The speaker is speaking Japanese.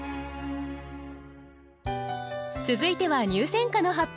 続いては入選歌の発表。